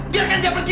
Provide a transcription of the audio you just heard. biarkan dia pergi